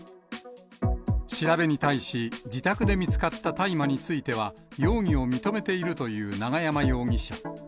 調べに対し、自宅で見つかった大麻については、容疑を認めているという永山容疑者。